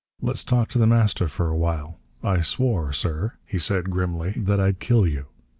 "Let's talk to The Master for a while. I swore, sir," he said grimly, "that I'd kill you.